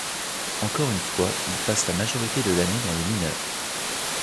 Encore une fois, il passe la majorité de l'année dans les mineures.